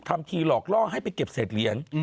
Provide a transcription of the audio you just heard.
ทำทีหลอกล่อให้ไปเก็บเศษเหรียญ